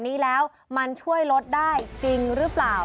มันช่วยลดได้จริงหรือเปล่า